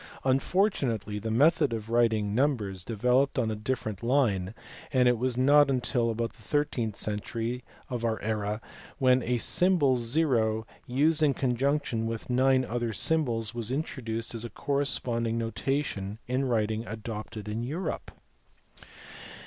Unfortunately the method of writing numbers developed on different lines, and it was not until about the thirteenth century of our era when a symbol zero used in conjunction, with nine other symbols was intro duced that a corresponding notation in writing was adopted in Europe.